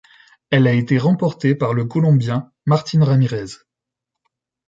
Elle a été remportée par le Colombien Martin Ramirez.